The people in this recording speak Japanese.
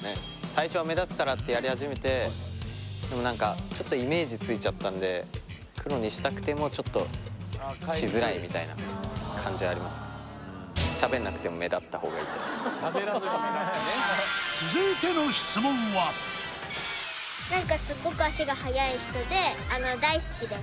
最初は目立つからってやり始めてでも何かちょっとイメージついちゃったんで黒にしたくてもちょっとしづらいみたいな感じありますねじゃないっすか続いての質問はええ